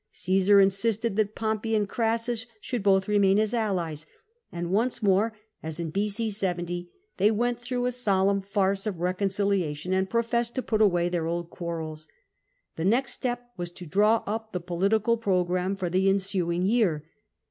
Csesar insisted that Pompey and Crassus should both remain his allies, and once more (as in B.C. 70) they went through a solemn farce of reconciliation, and professed to put away their old quarrels. The next step was to draw up the political programme for the ensuing year.